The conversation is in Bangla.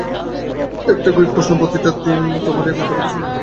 একটা কুইক প্রশ্ন, প্রতিটা দিন-ই তোমার এই মাথাব্যথা চলে, তাই না?